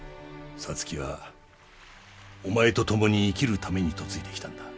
皐月はお前と共に生きるために嫁いできたんだ。